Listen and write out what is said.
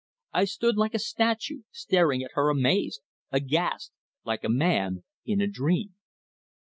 I sat like a statue, staring at her amazed, aghast, like a man in a dream.